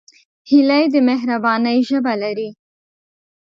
هیلۍ د مهربانۍ ژبه لري